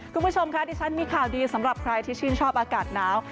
คุณผู้ชมค่ะดิฉันมีข่าวดีสำหรับใครที่ชื่นชอบอากาศหนาว